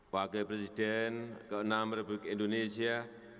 wakil presiden ke enam republik indonesia